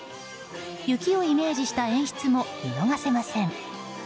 雪をイメージした演出も見逃せません。